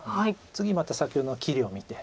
次また先ほどの切りを見て。